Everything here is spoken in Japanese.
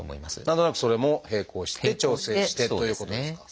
何となくそれも並行して調整してということですか？